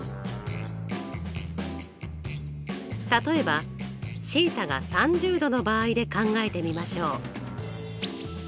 例えばθが３０°の場合で考えてみましょう。